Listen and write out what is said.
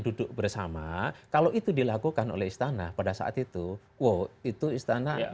duduk bersama kalau itu dilakukan oleh istana pada saat itu wow itu istana